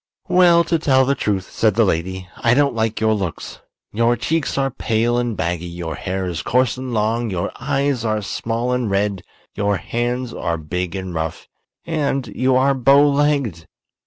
"Well, to tell the truth," said the lady, "I don't like your looks. Your cheeks are pale and baggy, your hair is coarse and long, your eyes are small and red, your hands are big and rough, and you are bow legged."